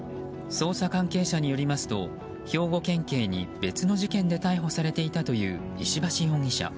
捜査関係者によりますと兵庫県警に別の事件で逮捕されていたという石橋容疑者。